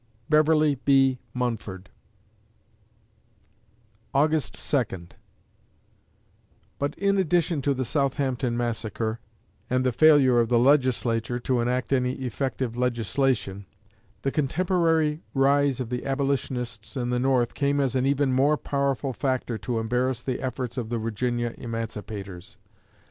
BEVERLY B. MUNFORD August Second But in addition to the Southampton Massacre, and the failure of the Legislature to enact any effective legislation, the contemporary rise of the Abolitionists in the North came as an even more powerful factor to embarrass the efforts of the Virginia emancipators.